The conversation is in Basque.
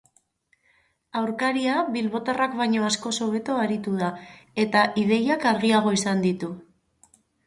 Aurkaria bilbotarrak baino askoz hobeto aritu da eta ideiak argiago izan ditu.